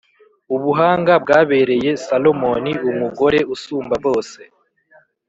Ubuhanga bwabereye Salomoni umugore usumba bose